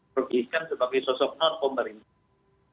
perpilihkan sebagai sosok non pomerintah